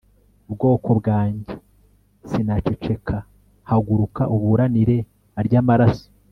bwoko bwange sinacecekahaguruka uburanire arya maraso